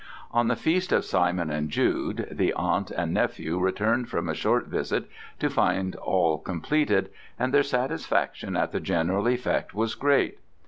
On the feast of Simon and Jude the aunt and nephew returned from a short visit to find all completed, and their satisfaction at the general effect was great.